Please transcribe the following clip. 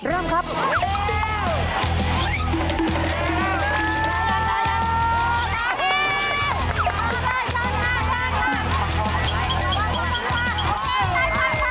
อีกแล้ว